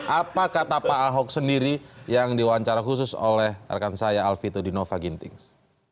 apa kata pak ahok sendiri yang diwawancara khusus oleh rekan saya alvito dinova gintings